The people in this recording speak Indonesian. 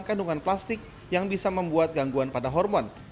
kandungan plastik yang bisa membuat gangguan pada hormon